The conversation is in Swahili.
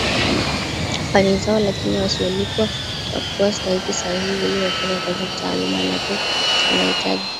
fani zao lakini wasiolipwa na kupewa stahiki sahihi ili wafanye kazi kitaalamu Nape anahitaji